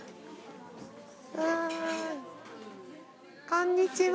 こんにちは。